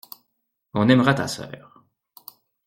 On aimera ta sœur.